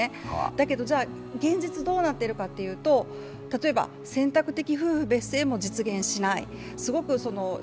だけど現実どうなっているかというと、例えば選択的夫婦別姓も実現しない。